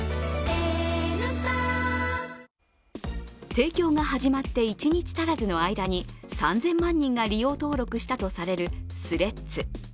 提供が始まって１日足らずの間に３０００万人が利用登録したとされるＴｈｒｅａｄｓ。